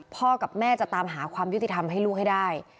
พ่อกับแม่จะตามหาความยุติธรรมให้ลูกให้ได้